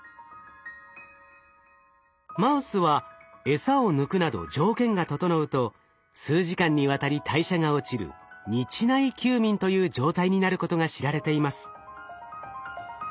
マウスはエサを抜くなど条件が整うと数時間にわたり代謝が落ちる日内休眠という状態になることが知られています。